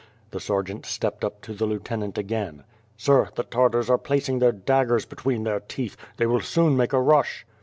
The sergeant stepped up to the lieutenant again: "Sir, the Tartars are placing their daggers between their teeth; they will soon make a rush."